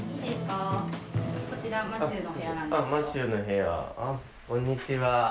こんにちは。